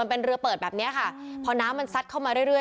เป็นเรือเปิดแบบเนี้ยค่ะพอน้ำมันซัดเข้ามาเรื่อย